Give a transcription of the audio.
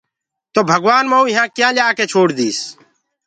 تو ڀگوآن مئوُ يهآنٚ ڪيآ ڪي ڇوڙ ديٚس۔